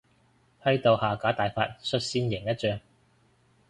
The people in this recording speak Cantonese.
批鬥下架大法率先贏一仗